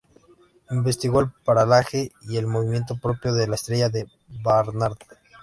Investigó el paralaje y el movimiento propio de la estrella de Barnard.